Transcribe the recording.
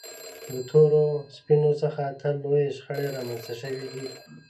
له تورو سپینو څخه تل لویې شخړې رامنځته شوې دي.